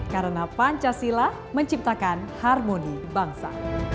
karena pancasila menciptakan harmoni bangsa